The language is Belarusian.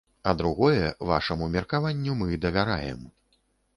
А другое, вашаму меркаванню мы давяраем.